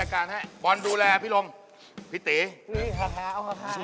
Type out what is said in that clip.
ขอเพราะมันปากไว้